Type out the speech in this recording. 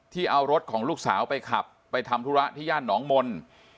เอารถของลูกสาวไปขับไปทำธุระที่ย่านหนองมนต์